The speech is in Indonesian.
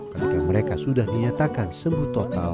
ketika mereka sudah dinyatakan sembuh total